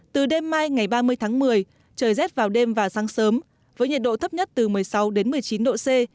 từ đêm mai ngày ba mươi tháng một mươi trời rét vào đêm và sáng sớm với nhiệt độ thấp nhất từ một mươi sáu đến một mươi chín độ c